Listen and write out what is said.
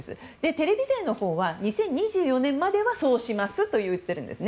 テレビ税のほうは２０２４年まではそうしますといっています。